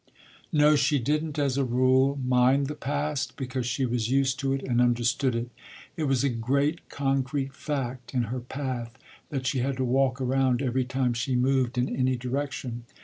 No, she didn’t, as a rule, mind the past, because she was used to it and understood it. It was a great concrete fact in her path that she had to walk around every time she moved in any direction.